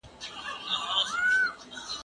زه کتابونه نه لوستم!.